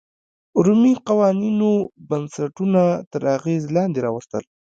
رومي قوانینو بنسټونه تر اغېز لاندې راوستل.